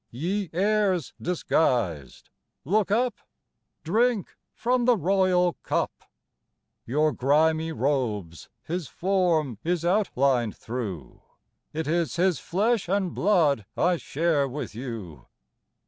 Ye heirs disguised, look up ! Drink from the royal cup ! Your grimy robes His form is outlined through : It is His flesh and blood I share with you.